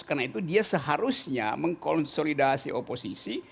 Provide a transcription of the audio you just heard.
karena itu dia seharusnya mengkonsolidasi oposisi